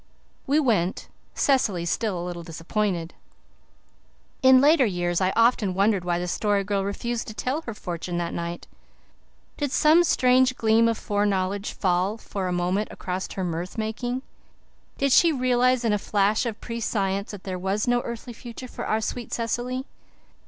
We went, Cecily still a little disappointed. In later years I often wondered why the Story Girl refused to tell her fortune that night. Did some strange gleam of foreknowledge fall for a moment across her mirth making? Did she realize in a flash of prescience that there was no earthly future for our sweet Cecily?